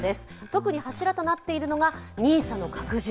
特に柱となっているのがＮＩＳＡの拡充。